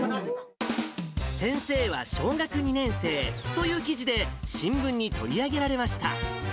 先生は小学２年生という記事で、新聞に取り上げられました。